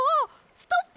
ストップ！